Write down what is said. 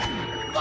わ！